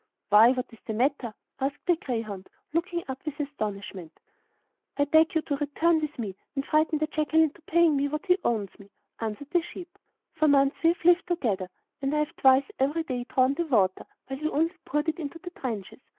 'Why, what is the matter?' asked the greyhound, looking up with astonishment. 'I beg you to return with me, and frighten the jackal into paying me what he owes me,' answered the sheep. 'For months we have lived together, and I have twice every day drawn the water, while he only poured it into the trenches.